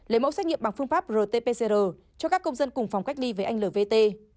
lấy mẫu xét nghiệm bằng phương pháp rt pcr cho các công dân cùng phòng cách ly với anh lvt